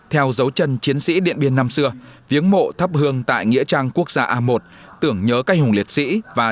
theo dấu chân chiến sĩ điện biên năm xưa viếng mộ thấp hương tại nghĩa trang quốc gia a một